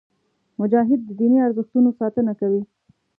مجاهد د دیني ارزښتونو ساتنه کوي.